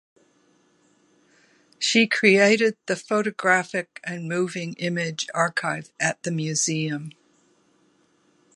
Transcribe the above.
She created the Photographic and Moving Image Archive at the Museum.